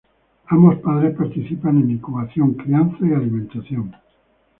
Ambos padres participan en incubación, crianza y alimentación.